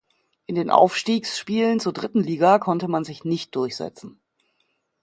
In den Aufstiegsspielen zur dritten Liga konnte man sich nicht durchsetzen.